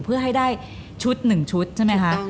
เพื่อให้ได้ชุด๑ชุดใช่ไหมคะ